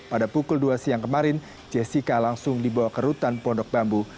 pada pukul dua siang kemarin jessica langsung dibawa ke rutan pondok bambu